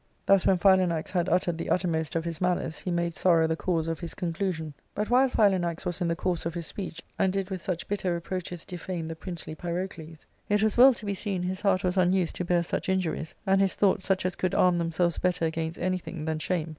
Thus when Philanax had uttered the uttermost of his malice, he made sorrow the cause of his conclusion. But, while Phila nax was in the course of his speech, and did with such bitter reproaches defame the princely Pyrocles, it was well to be seen his heart was unused to bear such injuries, and his thoughts such as could arm themselves better against anything than shame.